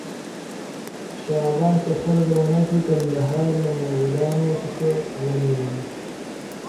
شاه عباس په خپله زمانه کې کندهار له مغلانو څخه ونيو.